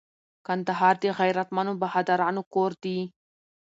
کندهار د غیرتمنو بهادرانو کور دي